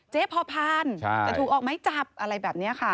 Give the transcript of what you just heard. พอพานแต่ถูกออกไม้จับอะไรแบบนี้ค่ะ